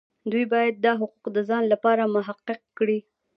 دوی باید دا حقوق د ځان لپاره محقق کړي.